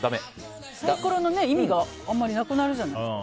サイコロの意味があんまりなくなるじゃないですか。